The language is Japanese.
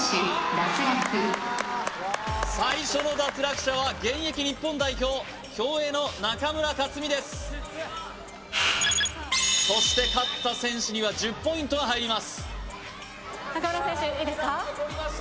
最初の脱落者は現役日本代表競泳の中村克ですそして勝った選手には１０ポイントが入ります中村選手いいですか？